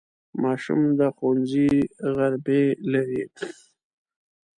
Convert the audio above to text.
ماشوم د ښوونځي غرمې لري.